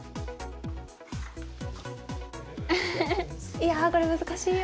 いやこれ難しいよ。